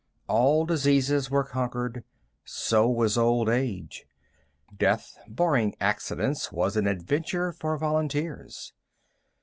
All diseases were conquered. So was old age. Death, barring accidents, was an adventure for volunteers.